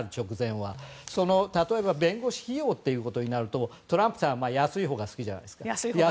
例えば弁護士費用ということになるとトランプさんは安いほうが好きじゃないですか。